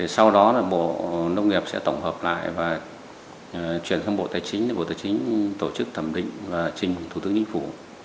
sau đó là bộ nông nghiệp sẽ tổng hợp lại và chuyển sang bộ tài chính bộ tài chính tổ chức thẩm định và trình thủ tướng chính phủ